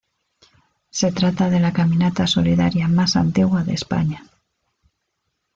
Se trata de la caminata solidaria más antigua de España.